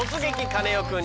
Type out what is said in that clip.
カネオくん」。